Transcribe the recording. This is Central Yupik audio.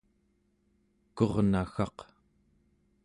kurnaggaq